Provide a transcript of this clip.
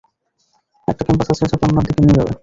একটা কম্পাস আছে যা পান্নার দিকে নিয়ে যাবে।